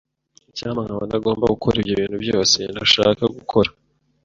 Icyampa nkaba ntagomba gukora ibyo bintu byose ntashaka gukora.